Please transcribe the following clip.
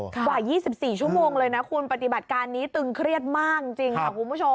กว่า๒๔ชั่วโมงเลยนะคุณปฏิบัติการนี้ตึงเครียดมากจริงค่ะคุณผู้ชม